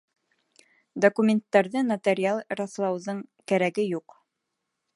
Документтарҙы нотариаль раҫлауҙың кәрәге юҡ.